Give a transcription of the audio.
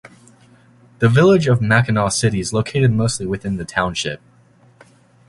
The village of Mackinaw City is located mostly within the township.